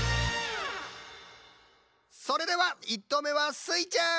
それでは１とうめはスイちゃん！